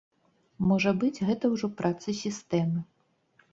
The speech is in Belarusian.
Можа быць, гэта ўжо праца сістэмы.